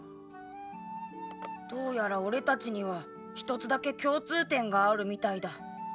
どうやら俺たちには一つだけ共通点があるみたいだ。